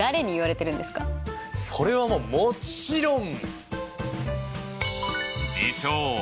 それはもちろん！